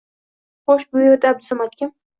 Xo‘sh, bu yerda Abdusamad kim?